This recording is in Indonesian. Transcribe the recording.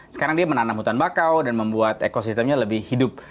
sekarang dia menanam hutan bakau dan membuat ekosistemnya lebih hidup